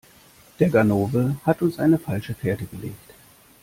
Der Ganove hat uns eine falsche Fährte gelegt.